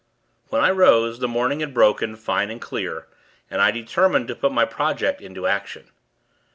When I rose the morning had broken, fine and clear; and I determined to put my project into action.